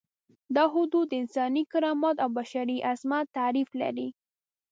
دا حدود د انساني کرامت او بشري عظمت تعریف لري.